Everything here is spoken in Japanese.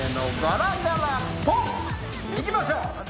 いきましょう！